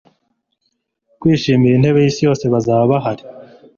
Kwishimira intebe yisi yose bazaba bahari